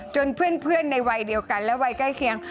เพื่อนในวัยเดียวกันและวัยใกล้เคียง